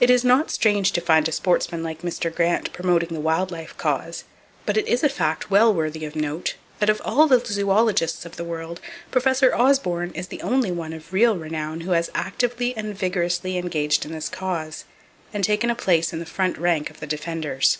It is not strange to find a sportsman like Mr. Grant promoting the wild life cause, but it is a fact well worthy of note that of all the zoologists of the world, Professor Osborn is the only one of real renown who has actively and vigorously engaged in this cause, and taken a place in the front rank of the Defenders.